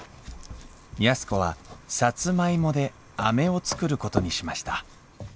安子はさつまいもでアメを作ることにしました。